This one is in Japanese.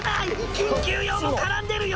緊急用も絡んでるよ？